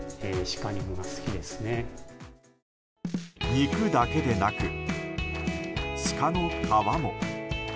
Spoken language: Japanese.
肉だけでなく、シカの革も。